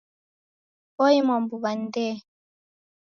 Oimwa mbuw'a ni Ndee.